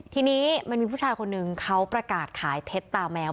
ทีนี้มันมีผู้ชายคนนึงเขาประกาศขายเพชรตาแมว